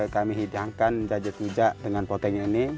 kami hidangkan jajetujak dengan poteng ini